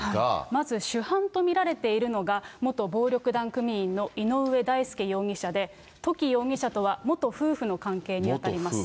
まず主犯と見られているのが、元暴力団組員の井上大輔容疑者で、土岐容疑者とは元夫婦の関係にあたります。